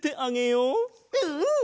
うん！